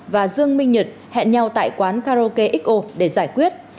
và dương minh nhật hẹn nhau tại quán karaoke xo để giải quyết